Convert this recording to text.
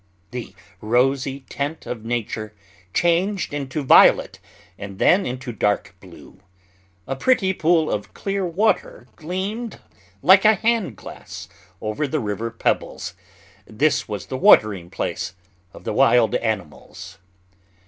The rosy tint of nature changed into violet, and then into dark blue. A pretty pool of clear water gleamed like a hand glass over the river pebbles; this was the watering place of the wild animals.